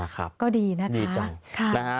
ก็ดีนะคะ